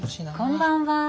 こんばんは。